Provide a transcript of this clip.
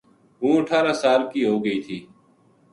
ہوں اٹھارہ سال کی ہو گئی تھی